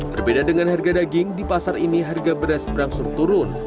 berbeda dengan harga daging di pasar ini harga beras berangsur turun